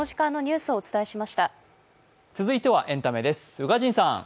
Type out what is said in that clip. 続いてはエンタメです。